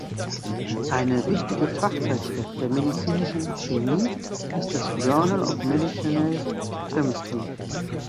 Eine wichtige Fachzeitschrift der medizinischen Chemie ist das Journal of Medicinal Chemistry.